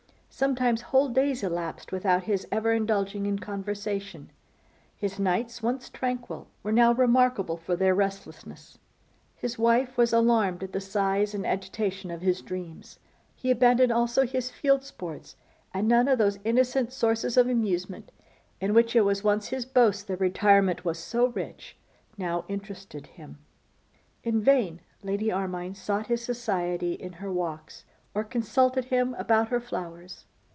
Sometimes whole days elapsed without his ever indulging in conversation; his nights, once tranquil, were now remarkable for their restlessness; his wife was alarmed at the sighs and agitation of his dreams. He abandoned also his field sports, and none of those innocent sources of amusement, in which it was once his boast their retirement was so rich, now interested him. In vain Lady Armine sought his society in her walks, or consulted him about her flowers.